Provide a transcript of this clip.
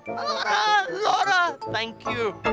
laura laura thank you